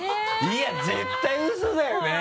いや絶対ウソだよね？